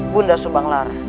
bunda subang lara